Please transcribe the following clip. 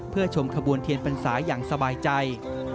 เพื่อชมขบวนเทียนพรรษาอย่างสบายใจ